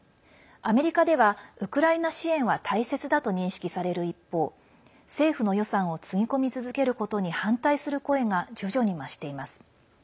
アメリカでは、ウクライナ支援は大切だと認識される一方政府の予算をつぎ込み続けることに反対する声が徐々に増しています。